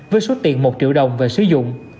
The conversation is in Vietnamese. với số tiền một triệu đồng về sử dụng